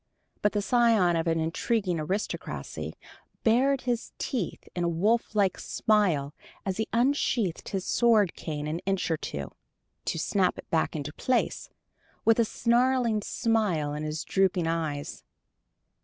But the scion of an intriguing aristocracy bared his teeth in a wolf like smile as he unsheathed his sword cane an inch or two, to snap it back into place, with a snarling smile in his drooping eyes.